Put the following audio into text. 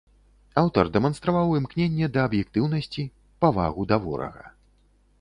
Аўтар дэманстраваў імкненне да аб'ектыўнасці, павагу да ворага.